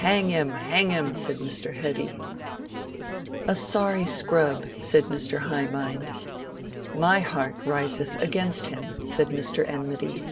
Hang him, hang him, said Mr. Heady. A sorry scrub, said Mr. High mind. My heart riseth against him, said Mr. Enmity.